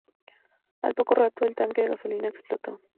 Al poco rato, el tanque de la gasolina explotó.